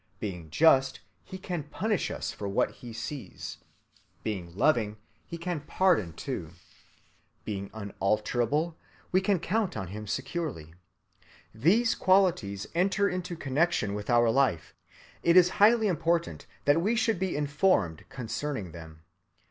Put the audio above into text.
Being just, he can punish us for what he sees. Being loving, he can pardon too. Being unalterable, we can count on him securely. These qualities enter into connection with our life, it is highly important that we should be informed concerning them.